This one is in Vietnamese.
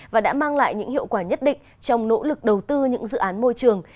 và đã mang lại những hiệu quả nhất định trong nỗ lực đầu tư những dự án môi trường